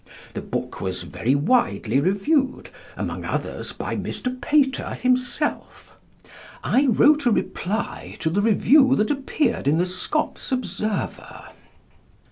The book was very widely reviewed, among others by Mr. Pater himself. I wrote a reply to the review that appeared in the Scots Observer."